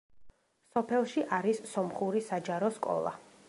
სოფელში არის სომხური საჯარო სკოლა.